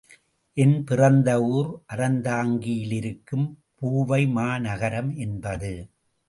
என் பிறந்த ஊர் அறந்தாங்கியிலிருக்கும் பூவைமாநகரம் என்பது.